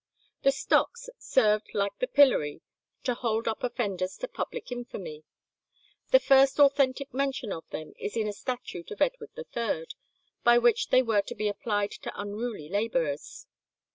The stocks served like the pillory to hold up offenders to public infamy. The first authentic mention of them is in a statute of Edward III, by which they were to be applied to unruly labourers.